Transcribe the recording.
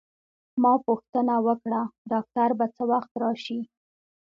ما پوښتنه وکړه: ډاکټر به څه وخت راشي؟